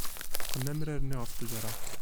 Qqen amrar-nni ɣer ttejra.